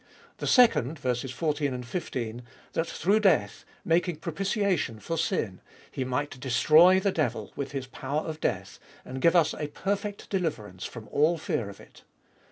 The second (14, 15), that through death, making propitiation for sin, He might destroy the devil, with his power of death, and give us a perfect deliverance from all fear of it.